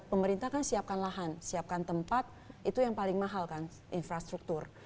pemerintah kan siapkan lahan siapkan tempat itu yang paling mahal kan infrastruktur